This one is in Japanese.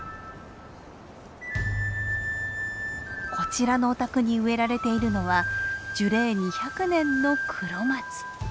こちらのお宅に植えられているのは樹齢２００年のクロマツ。